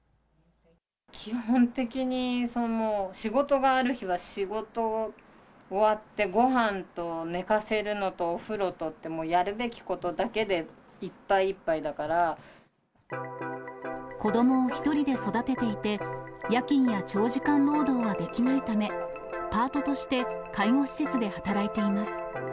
基本的に仕事がある日は仕事終わって、ごはんと寝かせるのとお風呂とって、もうやるべきことだけでいっ子どもを１人で育てていて、夜勤や長時間労働はできないため、パートとして介護施設で働いています。